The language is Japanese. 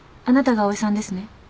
あなたがＡＯＩさんですね？